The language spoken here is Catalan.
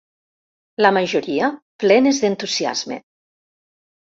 La majoria, plenes d’entusiasme.